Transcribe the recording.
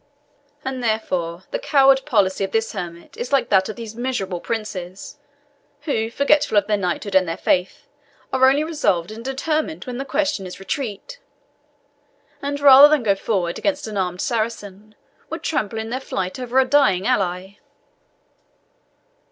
"And, therefore, the coward policy of this hermit is like that of these miserable princes, who, forgetful of their knighthood and their faith, are only resolved and determined when the question is retreat, and rather than go forward against an armed Saracen, would trample in their flight over a dying ally!"